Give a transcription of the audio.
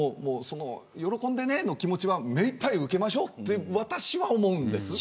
喜んでねの気持ちは目いっぱい受けましょうと私は思うんです。